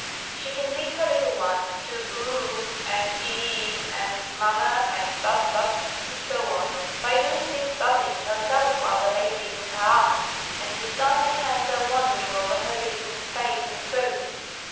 She can lead her little one to oo oo, and ee ee, and mamma, and bub bub, etc., by doing these babblings herself while the baby is in her arms and his tiny hands are wandering over her lips and face and throat.